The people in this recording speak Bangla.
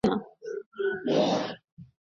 আমি কাছে থাকিলে কোন উপকার দেখিবে না।